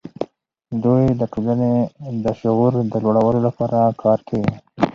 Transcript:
دوی د ټولنې د شعور د لوړولو لپاره کار کوي.